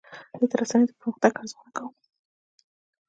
زه د رسنیو د پرمختګ ارزونه کوم.